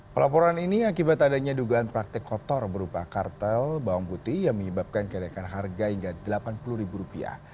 pelaporan ini akibat adanya dugaan praktik kotor berupa kartel bawang putih yang menyebabkan kerekan harga hingga rp delapan puluh